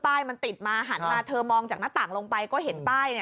ต้องอยู่ป่าธรรมชาติสุด